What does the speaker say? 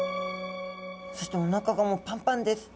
そしておなかがもうパンパンです。